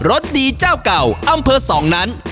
สดีเจ้าเก่าอำเภอสองนั้น